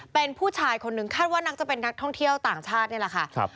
เป็นผู้ชายคนนึงคาดว่านักจะเป็นนักท่องเที่ยวต่างชาตินี่แหละค่ะ